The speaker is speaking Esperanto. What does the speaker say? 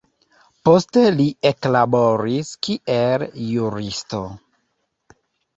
Poste li eklaboris kiel juristo.